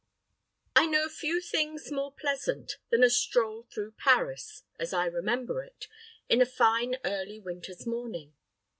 I know few things more pleasant than a stroll through Paris, as I remember it, in a fine early winter's morning.